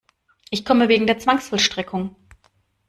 Ich komme wegen der Zwangsvollstreckung.